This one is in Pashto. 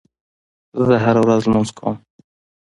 زه هره ورځ لمونځ کوم.